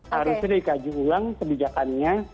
harusnya dikaji ulang kebijakannya